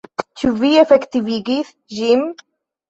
Ĉu vi efektivigis ĝin?